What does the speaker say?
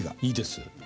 いいです。